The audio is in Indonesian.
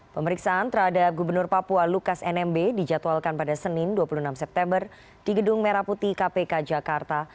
pemeriksaan terhadap gubernur papua lukas nmb dijadwalkan pada senin dua puluh enam september di gedung merah putih kpk jakarta